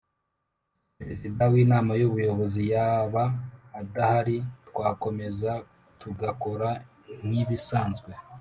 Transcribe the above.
Perezida wa Inama y Ububozi yaba adahari twakomeza tugakora nkibisanzwe